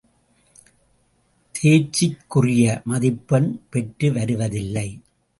தேர்ச்சிக்குறிய மதிப்பெண் பெற்று வருவதில்லை.